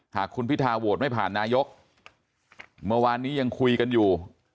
หากคุณพิทาโหวตไม่ผ่านนายกเมื่อวานนี้ยังคุยกันอยู่